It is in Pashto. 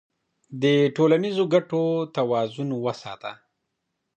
د ټولنیزو ګټو توازن وساته.